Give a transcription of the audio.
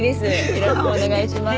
よろしくお願いします